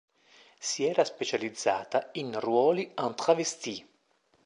Si era specializzata in ruoli en travesti.